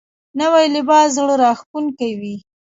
نوی لباس زړه راښکونکی وي